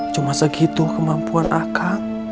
cuma segitu kemampuan aku